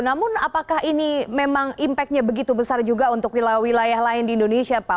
namun apakah ini memang impactnya begitu besar juga untuk wilayah wilayah lain di indonesia pak